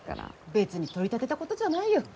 別に取り立てたことじゃないよ。